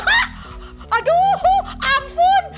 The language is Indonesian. hah aduh ampun